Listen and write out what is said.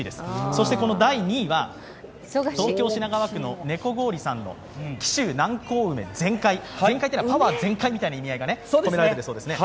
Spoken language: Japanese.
そして第２位は、東京・品川区のネコゴオリさんの紀州南高梅ぜんかいぜんかいというのはパワー全開みたいな意味合いが込められているそうです。